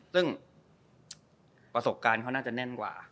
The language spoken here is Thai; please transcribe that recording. ซึ่งประสบการณ์เขาน่าจะแน่นกว่า